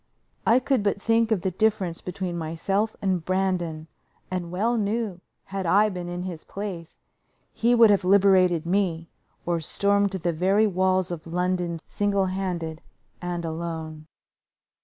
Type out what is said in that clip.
I could but think of the difference between myself and Brandon, and well knew, had I been in his place, he would have liberated me or stormed the very walls of London single handed and alone.